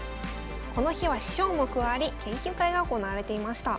この日は師匠も加わり研究会が行われていました。